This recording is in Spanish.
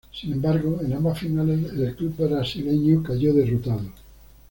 Sin embargo, en ambas finales el club brasileño cayó derrotado.